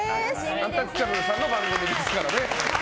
アンタッチャブルさんの番組ですからね。